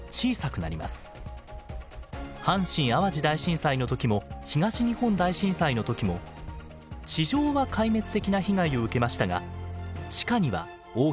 阪神・淡路大震災の時も東日本大震災の時も地上は壊滅的な被害を受けましたが地下には大きな被害がありませんでした。